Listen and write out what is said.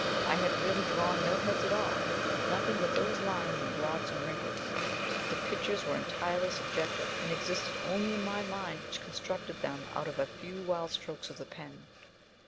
I had really drawn no heads at all nothing but those lines and blots and wriggles. The pictures were entirely subjective, and existed only in my mind which constructed them out of a few wild strokes of the pen.